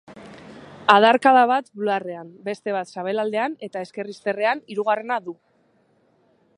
Adarkada bat bularrean, beste bat sabelaldean eta ezker izterrean hirugarrena du.